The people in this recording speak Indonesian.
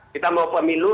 kita mau pemilu